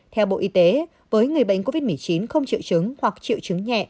theo bộ y tế với người bệnh covid một mươi chín không triệu chứng hoặc triệu chứng nhẹ